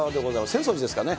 浅草寺ですかね。